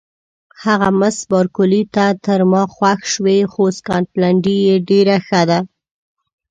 هغه مس بارکلي ته تر ما خوښ شوې، خو سکاټلنډۍ یې ډېره ښه ده.